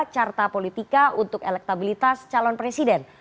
carta politika untuk elektabilitas calon presiden